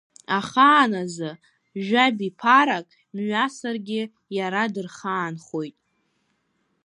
Ахааназы жәа-биԥарак мҩасыргьы иара дырхаанхоит.